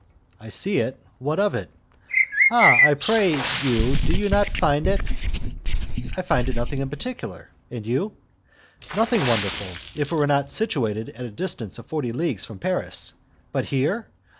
"I see it; what of it?" "Ah! I pray you, do you not find it...." "I find nothing particular; and you?" "Nothing wonderful, if it were not situated at a distance of forty leagues from Paris. But here!